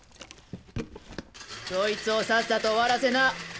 そいつをさっさと終わらせな。